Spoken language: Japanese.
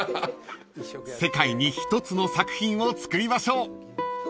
［世界に１つの作品を作りましょう］